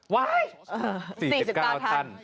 ว้ายสี่สิบเก้าท่าน